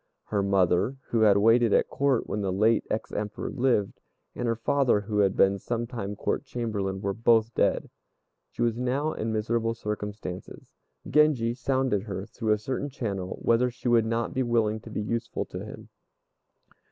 Her mother, who had waited at Court when the late ex Emperor lived, and her father, who had been some time Court Chamberlain, were both dead. She was now in miserable circumstances. Genji sounded her, through a certain channel, whether she would not be willing to be useful to him.